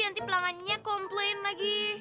nanti pelangannya komplain lagi